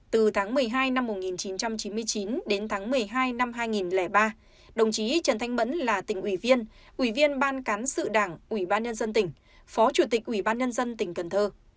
từ tháng một mươi hai năm một nghìn chín trăm chín mươi chín đến tháng một mươi hai năm hai nghìn ba đồng chí trần thanh mẫn là tỉnh ủy viên ủy viên ban cán sự đảng ủy ban nhân dân tỉnh phó chủ tịch ủy ban nhân dân tỉnh cần thơ